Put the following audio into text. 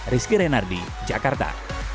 rizky renardi jakarta